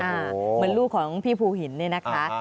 เหมือนลูกของพี่ภูหินเนี่ยนะคะ